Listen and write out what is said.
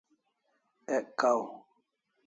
Ek kaw